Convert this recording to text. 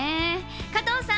加藤さん！